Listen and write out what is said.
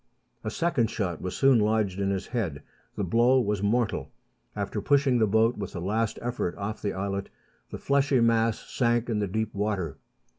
A second shot was soon lodged in his head. The blow was mortal. After pushing the boat with a last effort off the islet, the fleshy mass sank in the deep water.